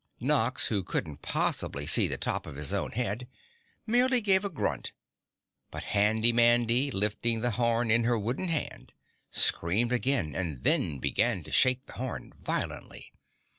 Nox, who couldn't possibly see the top of his own head, merely gave a grunt, but Handy Mandy, lifting the horn in her wooden hand, screamed again and then began to shake the horn violently.